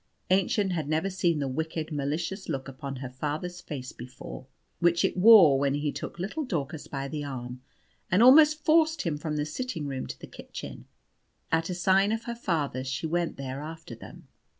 Aennchen had never seen the wicked, malicious look upon her father's face before, which it wore when he took little Daucus by the arm, and almost forced him from the sitting room to the kitchen. At a sign of her father's she went there after them.